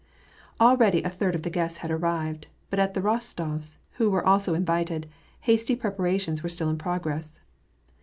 Already a third of the guests had arrived ; but at the Ros tofs', who were also invited, hasty preparations were still in progress.